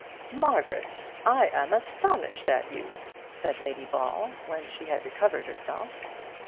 "Margaret, I am astonished at you," said Lady Ball, when she had recovered herself.